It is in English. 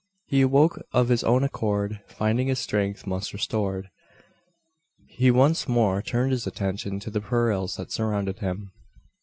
He awoke of his own accord. Finding his strength much restored, he once more turned his attention to the perils that surrounded him.